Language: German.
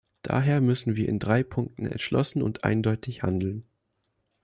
Daher müssen wir in drei Punkten entschlossen und eindeutig handeln.